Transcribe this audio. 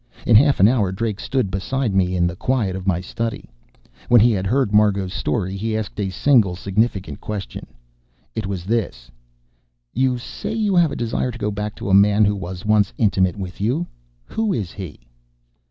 In half an hour Drake stood beside me, in the quiet of my study. When he had heard Margot's story, he asked a single significant question. It was this: "You say you have a desire to go back to a man who was once intimate with you. Who is he?"